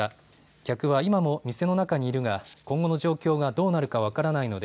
客は今も店の中にいるが今後の状況はどうなるか分からないので、